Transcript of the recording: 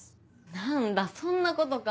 何だそんなことか。